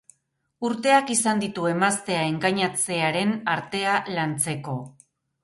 Urteak izan ditu emaztea engainatzearen artea lantzeko.